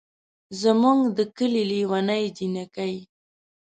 زمونږ ده کلي لېوني جينکۍ